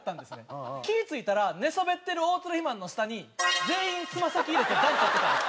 気ぃ付いたら寝そべってる大鶴肥満の下に全員つま先入れて暖取ってた。